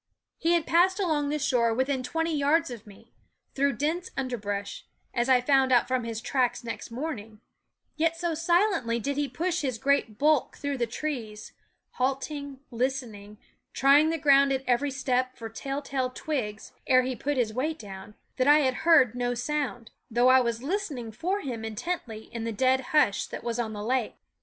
He had passed along the shore within twenty yards of me, through dense underbrush, as I found out from his tracks next morning, yet so silently did he push his great bulk through the trees, halting, listening, trying the ground at every step for telltale twigs ere he put his weight down, that I had heard no sound, though I was listening for him intently in the dead hush that was on the lake.